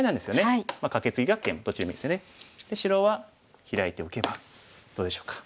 白はヒラいておけばどうでしょうか。